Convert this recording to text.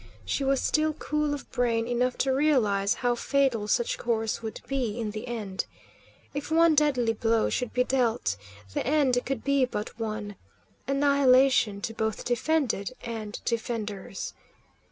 She was still cool of brain enough to realise how fatal such course would be in the end. If one deadly blow should be dealt, the end could be but one, annihilation to both defended and defenders.